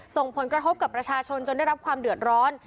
ส่งผลกระทบกับประชาชนจนได้รับความเดือดร้อน